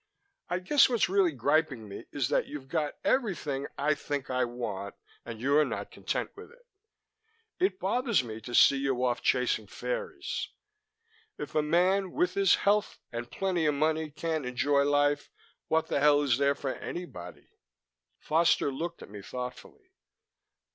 "I guess what's really griping me is that you've got everything I think I want and you're not content with it. It bothers me to see you off chasing fairies. If a man with his health and plenty of money can't enjoy life, what the hell is there for anybody?" Foster looked at me thoughtfully.